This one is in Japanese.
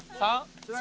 「３」？